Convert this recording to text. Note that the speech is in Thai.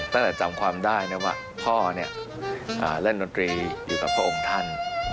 ตั้งแต่จำความได้ว่าพ่อเล่นนตรีอยู่กับพระองค์ท่าน